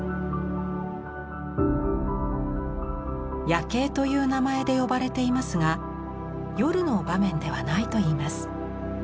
「夜警」という名前で呼ばれていますが夜の場面ではないといいます。